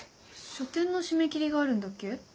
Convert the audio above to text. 書展の締め切りがあるんだっけ？